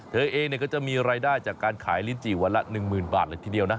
เธอเองก็จะมีรายได้จากการขายลิ้นจี่วันละ๑๐๐๐บาทเลยทีเดียวนะ